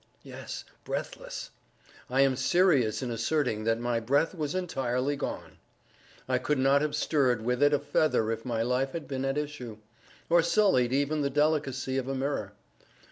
Yes! breathless. I am serious in asserting that my breath was entirely gone. I could not have stirred with it a feather if my life had been at issue, or sullied even the delicacy of a mirror.